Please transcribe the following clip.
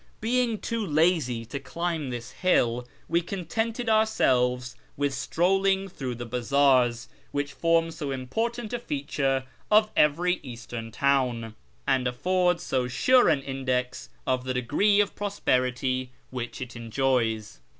Being too lazy to climb this hill, we contented ourselves with strol ling through the bazaars which Ibrm so important a feature of every Eastern town, and afford so sure an index of the degree of prosperity which it enjoys.